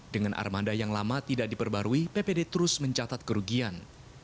dengan armada yang lama tidak diperbarui ppd terus mencatat kerugian